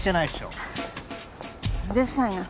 うるさいな。